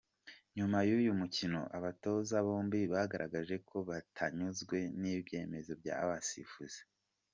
Nyuma y’uyu mukino, abatoza bombi bagaragaje ko batanyuzwe n’ibyemezo by’abasifuzi.